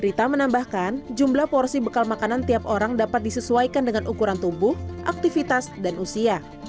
rita menambahkan jumlah porsi bekal makanan tiap orang dapat disesuaikan dengan ukuran tubuh aktivitas dan usia